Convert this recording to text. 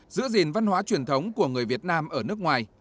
giữ gìn văn hóa truyền thống của người việt nam ở nước ngoài